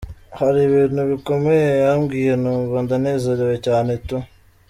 Hari ibintu bikomeye yambwiye numva ndanezerewe cyane tu.